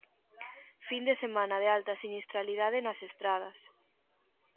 Fin de semana de alta sinistralidade nas estradas.